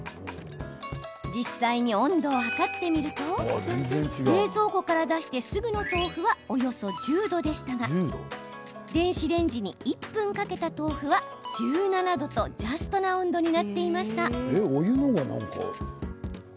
実際に温度を測ってみると冷蔵庫から出してすぐの豆腐はおよそ１０度でしたが電子レンジに１分かけた豆腐は１７度とジャストな温度になっていました。